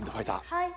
・はい。